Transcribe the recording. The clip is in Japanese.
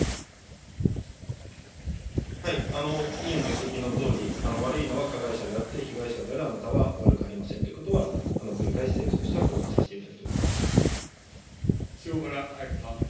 委員ご指摘のとおり、悪いのは加害者であって、被害者であるあなたは悪くありませんということは、繰り返し政府としては広報塩村あやかさん。